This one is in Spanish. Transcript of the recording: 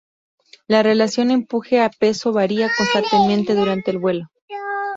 La relación empuje a peso varía constantemente durante el vuelo.